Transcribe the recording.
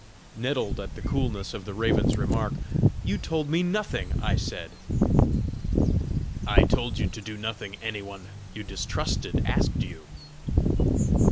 Nettled at the coolness of the raven's remark, "You told me nothing!" I said. "I told you to do nothing any one you distrusted asked you!"